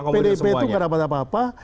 pdp itu nggak dapat apa apa